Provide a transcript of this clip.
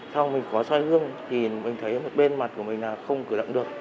sau mình có xoay gương thì mình thấy bên mặt của mình không cửa động được